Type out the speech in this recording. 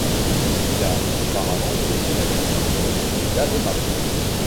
Il a auparavant évolué avec le club d'Aberavon.